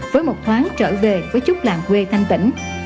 với một thoáng trở về với chúc làng quê thanh tỉnh